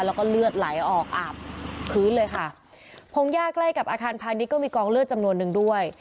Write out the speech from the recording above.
แล้วก็เลือดไหลออกอาบพื้นเลยค่ะพงหญ้าใกล้กับอาคารพาณิชยก็มีกองเลือดจำนวนนึงด้วย